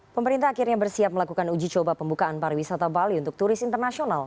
pemerintah akhirnya bersiap melakukan uji coba pembukaan pariwisata bali untuk turis internasional